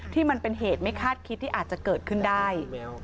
ที่เป็นเหตุไม่คาดคิดที่อาจจะเกิดขึ้นได้